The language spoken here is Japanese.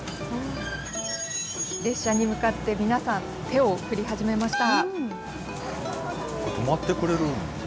列車に向かって皆さん、手を振り始めました。